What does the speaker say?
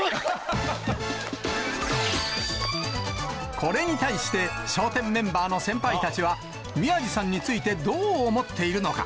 これに対して、笑点メンバーの先輩たちは、宮治さんについてどう思っているのか。